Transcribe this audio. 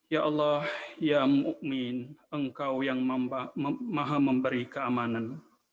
ya allah ya mu'min engkau yang maha memberi keamanan